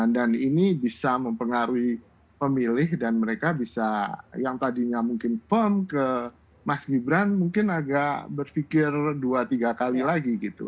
dan ini bisa mempengaruhi pemilih dan mereka bisa yang tadinya mungkin pom ke mas gibran mungkin agak berfikir dua tiga kali lagi gitu